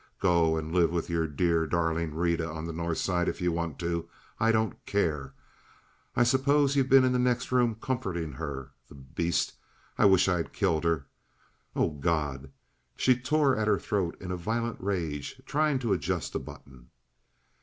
Go and live with your dear, darling Rita on the North Side if you want to. I don't care. I suppose you've been in the next room comforting her—the beast! I wish I had killed her—Oh, God!" She tore at her throat in a violent rage, trying to adjust a button.